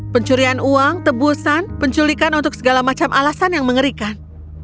pencurian uang tebusan penculikan untuk segala macam alasan yang mengerikan